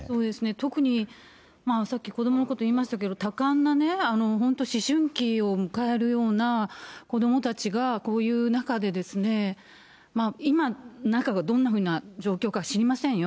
特に、さっき子どものこと言いましたけども、多感なね、本当、思春期を迎えるような子どもたちが、こういう中でですね、今、中がどんなふうな状況かは知りませんよ。